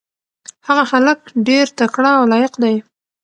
هغه هلک ډېر تکړه او لایق دی.